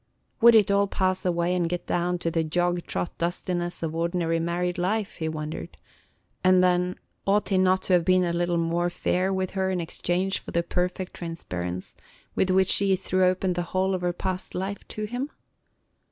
Would it all pass away and get down to the jog trot dustiness of ordinary married life, he wondered, and then, ought he not to have been a little more fair with her in exchange for the perfect transparence with which she threw open the whole of her past life to him?